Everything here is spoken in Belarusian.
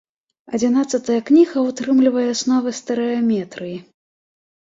Адзінаццатая кніга ўтрымлівае асновы стэрэаметрыі.